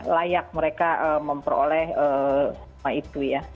layak mereka memperoleh semua itu ya